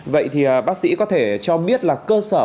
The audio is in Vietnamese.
vậy thì bác sĩ có thể cho biết là cơ sở